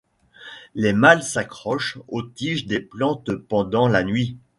Les mâles s'accrochent aux tiges des plantes pendant la nuit.